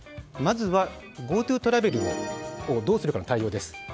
まずはＧｏＴｏトラベルをどうするかの対応です。